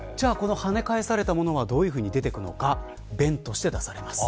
跳ね返されたものがどのように出ていくか便として出されます。